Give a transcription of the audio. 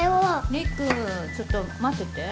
陸ちょっと待ってて